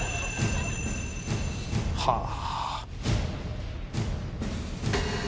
はあ。